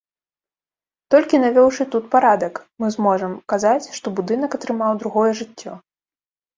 Толькі навёўшы тут парадак, мы зможам казаць, што будынак атрымаў другое жыццё.